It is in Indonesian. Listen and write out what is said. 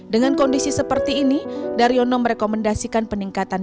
dengan kondisi seperti ini daryono merekomendasikan peningkatan